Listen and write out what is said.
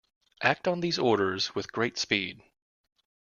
Act on these orders with great speed.